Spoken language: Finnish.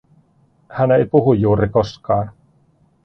Hän ei puhu juuri koskaan.